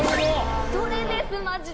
それです、マジで。